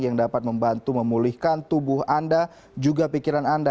yang dapat membantu memulihkan tubuh anda juga pikiran anda